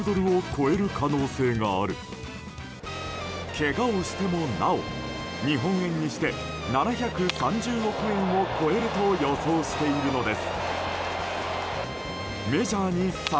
けがをしてもなお日本円にして７３０億円を超えると予想しているのです。